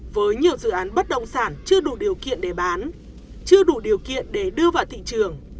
với nhiều dự án bất động sản chưa đủ điều kiện để bán chưa đủ điều kiện để đưa vào thị trường